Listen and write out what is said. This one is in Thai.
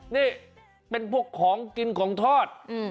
นี่เป็นพวกของกินของทอด